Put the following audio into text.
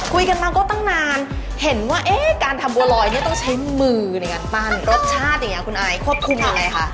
คุยกันมาก็ตั้งนานเห็นว่าเอ๊ะการทำบัวลอยเนี่ยต้องใช้มือในการปั้นรสชาติอย่างนี้คุณอายควบคุมยังไงคะ